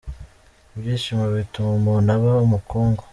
Ibyishimo bituma umuntu aba umukungu